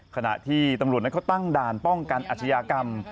ขณะที่ตำรวจนั้นเขาตั้งด่านป้องกันอาชญากรรม